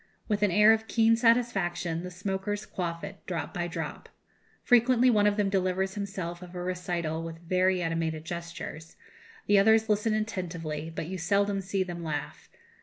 With an air of keen satisfaction the smokers quaff it, drop by drop. Frequently one of them delivers himself of a recital with very animated gestures; the others listen attentively, but you seldom see them laugh.